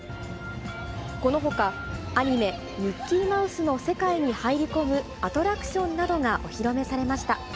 このほか、アニメ、ミッキーマウス！の世界に入り込むアトラクションなどがお披露目されました。